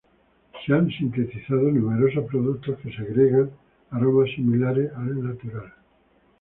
Se han sintetizado numerosos productos que segregan aromas similares al natural.